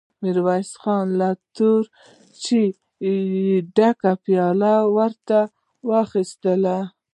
ميرويس خان له تورو چايو ډکه پياله ور واخيسته.